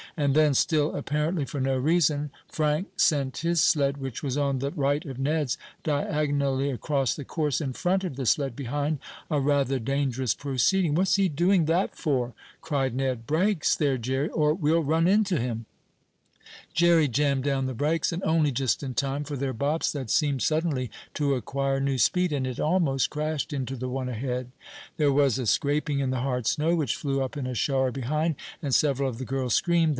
And then, still apparently for no reason, Frank sent his sled, which was on the right of Ned's, diagonally across the course, in front of the sled behind, a rather dangerous proceeding. "What's he doing that for?" cried Ned. "Brakes there, Jerry, or we'll run into him!" Jerry jammed down the brakes, and only just in time, for their bobsled seemed suddenly to acquire new speed, and it almost crashed into the one ahead. There was a scraping in the hard snow, which flew up in a shower behind, and several of the girls screamed.